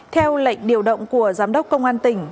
theo lệnh điều động của giám đốc công an tỉnh